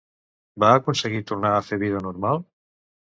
Va aconseguir tornar a fer vida normal?